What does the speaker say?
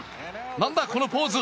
なんだこのポーズ？